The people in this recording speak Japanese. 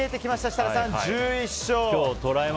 設楽さん、１１勝。